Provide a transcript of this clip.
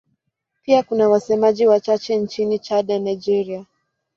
Pia kuna wasemaji wachache nchini Chad na Nigeria.